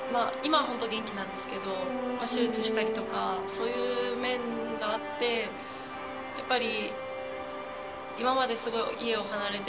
そういう面があってやっぱり。